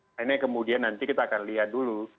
nah ini kemudian nanti kita akan lihat dulu